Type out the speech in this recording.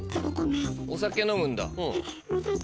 お酒飲むんだ。